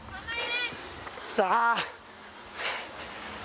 頑張れ！